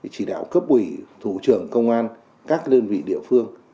chỉ đạo cấp ủy thủ trưởng công an các đơn vị địa phương